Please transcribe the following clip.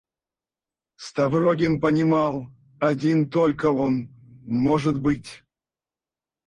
Ставрогин понимал, один только он, может быть.